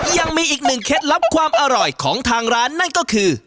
ยังมีอีกหนึ่งเคล็ดลับความอร่อยของทางร้านนั่นก็คือ